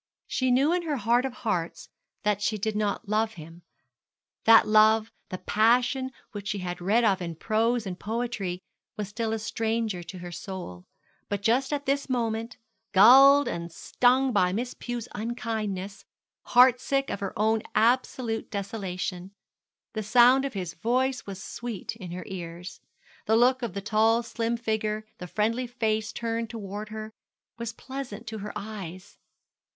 She knew in her heart of hearts that she did not love him that love the passion which she had read of in prose and poetry was still a stranger to her soul: but just at this moment, galled and stung by Miss Pew's unkindness, heart sick at her own absolute desolation, the sound of his voice was sweet in her ears, the look of the tall slim figure, the friendly face turned towards her, was pleasant to her eyes.